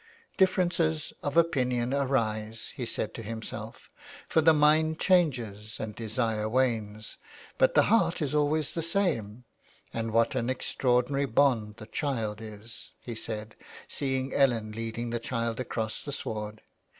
'^" Differences of opinion arise," he said to himself, " for the mind changes and desire wanes, but the heart is always the same, and what an extraordinary bond the child is,'' he said, seeing Ellen leading the child across the sward.